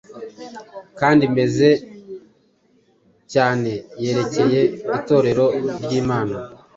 kandi meza cyane yerekeye Itorero ryimana